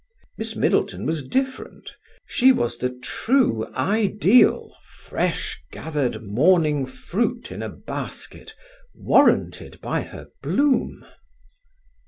Miss Middleton was different: she was the true ideal, fresh gathered morning fruit in a basket, warranted by her bloom.